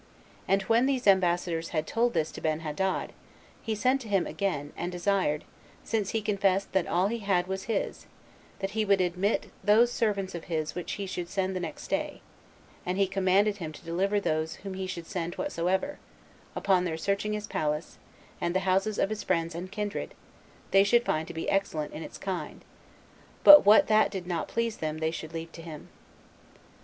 And when these ambassadors had told this to Benhadad, he sent them to him again, and desired, since he confessed that all he had was his, that he would admit those servants of his which he should send the next day; and he commanded him to deliver to those whom he should send whatsoever, upon their searching his palace, and the houses of his friends and kindred, they should find to be excellent in its kind, but that what did not please them they should leave to him.